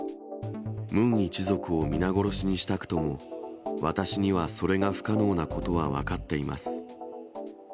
ムン一族を皆殺しにしたくとも、私にはそれが不可能なことは分かっています。